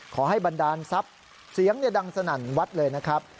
บันดาลทรัพย์เสียงดังสนั่นวัดเลยนะครับ